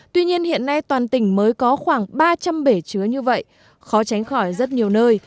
tuy nhiên hiện nay toàn tỉnh mới có khoảng ba trăm linh bể chứa như vậy khó tránh khỏi rất nhiều nơi